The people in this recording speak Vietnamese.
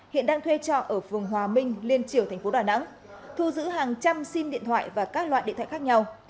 hiện đang thuê trọ ở phường hòa minh liên triều thành phố đà nẵng thu giữ hàng trăm sim điện thoại và các loại điện thoại khác nhau